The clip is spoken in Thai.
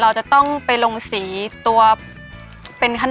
เออบางอย่างจะทำพิมพ์เองเลยเพราะว่าพิมพ์ไม่ทัน